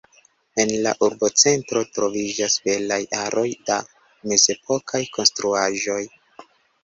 En la urbocentro troviĝas belaj aroj da mezepokaj konstruaĵoj.